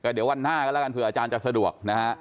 เดี๋ยววันหน้าก็ละกันเผื่ออาจารย์จะสะดวก